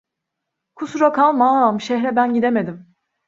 Kusura kalma ağam, şehre ben gidemedim…